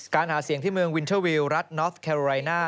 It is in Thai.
การหาเสียงที่เมืองวินเทอร์วิลรัฐนอร์ธแคลอร์ไรน่า